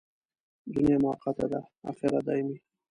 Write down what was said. دنیا موقته ده، اخرت دایمي.